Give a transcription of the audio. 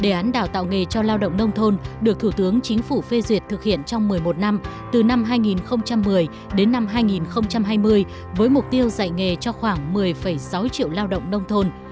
đề án đào tạo nghề cho lao động nông thôn được thủ tướng chính phủ phê duyệt thực hiện trong một mươi một năm từ năm hai nghìn một mươi đến năm hai nghìn hai mươi với mục tiêu dạy nghề cho khoảng một mươi sáu triệu lao động nông thôn